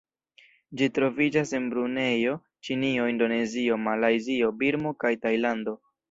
Ĝi troviĝas en Brunejo, Ĉinio, Indonezio, Malajzio, Birmo kaj Tajlando.